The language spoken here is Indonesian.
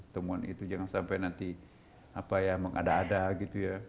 temuan itu jangan sampai nanti mengada ada gitu ya